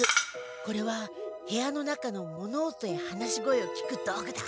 これは部屋の中の物音や話し声を聞く道具だ。